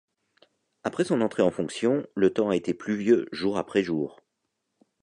Après son entrée en fonction, le temps a été pluvieux jour après jour.